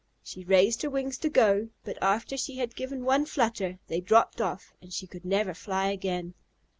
She raised her wings to go, but after she had given one flutter, they dropped off, and she could never fly again.